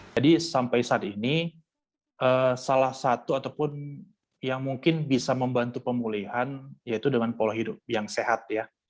jadi sampai saat ini salah satu ataupun yang mungkin bisa membantu pemulihan yaitu dengan pola hidup yang sehat ya